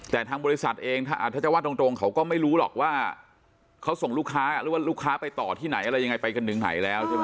แต่ทางบริษัทเองถ้าจะว่าตรงเขาก็ไม่รู้หรอกว่าเขาส่งลูกค้าหรือว่าลูกค้าไปต่อที่ไหนอะไรยังไงไปกันถึงไหนแล้วใช่ไหม